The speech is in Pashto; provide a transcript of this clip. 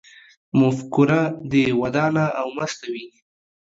مفکوره دې ودانه او مسته وي